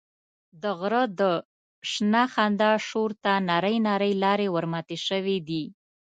د غره د شنه خندا شور ته نرۍ نرۍ لارې ورماتې شوې دي.